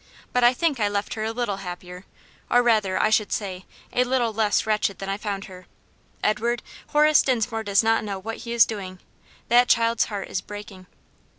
but I think I left her a little happier; or rather, I should say, a little less wretched than I found her. Edward, Horace Dinsmore does not know what he is doing; that child's heart is breaking."